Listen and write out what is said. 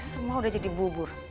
semua udah jadi bubur